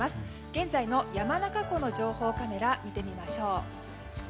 現在の山中湖の情報カメラ見てみましょう。